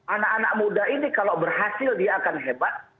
anak anak muda ini kalau berhasil dia akan hebat